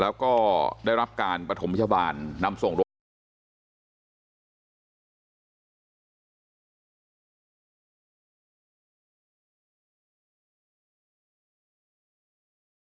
แล้วก็ได้รับการปฐมพิชาบาลนำส่งลง